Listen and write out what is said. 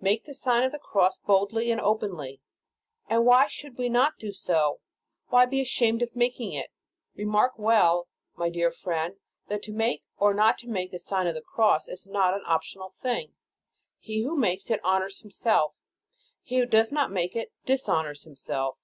Make the Sign of the Cross boldly and openly. And why should we not do so. Why be ashamed of making it? Remark well, my dear friend, that to make, or not make the Sign of the Cross, is not an optional thing. He who makes it honors himself; he who does not make it, dishonors himself.